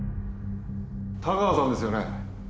田川さんですよね？